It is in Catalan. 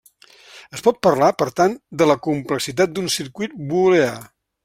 Es pot parlar, per tant, de la complexitat d'un circuit booleà.